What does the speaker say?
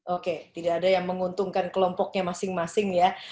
oke tidak ada yang menguntungkan kelompoknya masing masing ya